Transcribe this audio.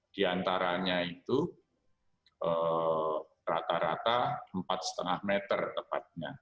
diantaranya itu rata rata empat lima meter tepatnya